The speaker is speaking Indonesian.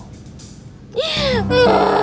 kamu takut dengan suara harimau